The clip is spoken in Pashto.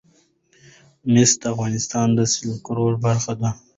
مس د افغانستان د سیلګرۍ برخه ده.